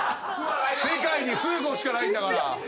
世界に数個しかないんだから。